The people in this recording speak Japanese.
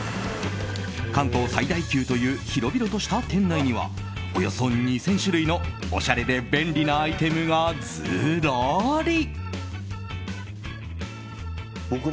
関東最大級という広々とした店内にはおよそ２０００種類のおしゃれで便利なアイテムがずらり。